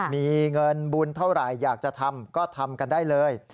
มีเงินบุญเท่าไหร่อยากจะทำก็ทำกันได้เลย